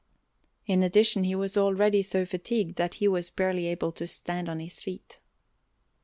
In addition he was already so fatigued that he was barely able to stand on his feet.